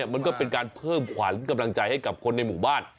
มันก็เป็นการเพิ่มขวัญกำลังใจให้กับคนในหมู่บ้าน